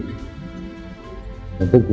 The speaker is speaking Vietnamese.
thì tức là